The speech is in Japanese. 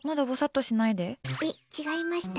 え、違いました？